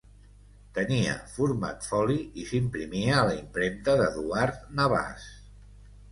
Tenia format foli i s'imprimia a la Impremta d'Eduard Navàs.